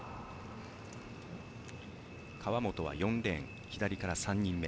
川元は４レーン左から３人目。